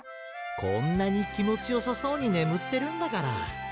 こんなにきもちよさそうにねむってるんだから。